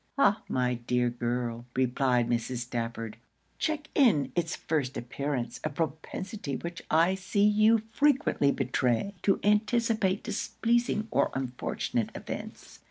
'Ah! my dear girl!' replied Mrs. Stafford, 'check in its first appearance a propensity which I see you frequently betray, to anticipate displeasing or unfortunate events.